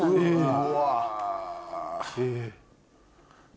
うわ！